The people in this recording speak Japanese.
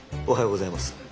おはようございます。